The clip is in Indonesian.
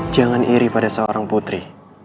jangan iri pada seorang putri